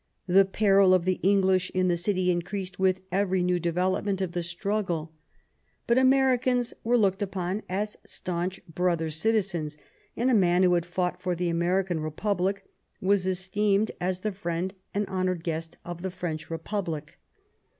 The peril of the English in the city increased with every new develop ment of the struggle; but Americans were looked upon as staunch brother citizens^ and a man who had fought for the American Republic was esteemed as the friend and honoured guest of the French Republic.